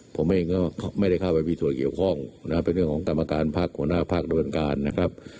ผมเองก็ไม่ได้เข้าไปมีส่วนเกี่ยวข้องนะเป็นเรื่องของกรรมการพักหัวหน้าพักโดยการนะครับ